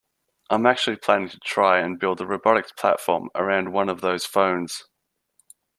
I'm actually planning to try and build a robotics platform around one of those phones.